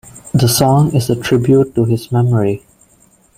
The song is a tribute to his memory.